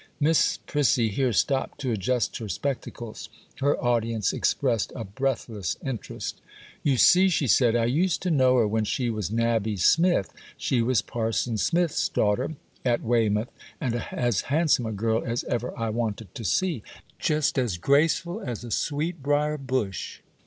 Miss Prissy here stopped to adjust her spectacles. Her audience expressed a breathless interest. 'You see,' she said, 'I used to know her when she was Nabby Smith. She was Parson Smith's daughter, at Weymouth, and as handsome a girl as ever I wanted to see,—just as graceful as a sweet brier bush.